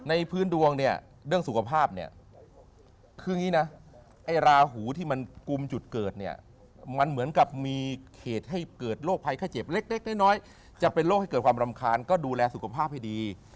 พื้นดวงเนี่ยเรื่องสุขภาพเนี่ยคืออย่างนี้นะไอ้ราหูที่มันกุมจุดเกิดเนี่ยมันเหมือนกับมีเหตุให้เกิดโรคภัยไข้เจ็บเล็กน้อยจะเป็นโรคให้เกิดความรำคาญก็ดูแลสุขภาพให้ดี